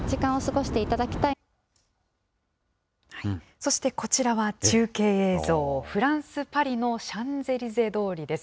そしてこちらは中継映像、フランス・パリのシャンゼリゼ通りです。